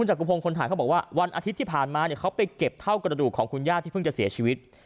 วันอาทิตย์ที่ผ่านมาเขาไปเก็บเท่ากระดูกของคุณย่าที่เพิ่งจะเสียชีวิต